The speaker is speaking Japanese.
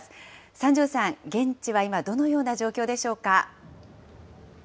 三條さん、現地は今、どのような状況でしょうか？